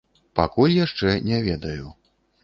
Пакуль яшчэ не ведаю.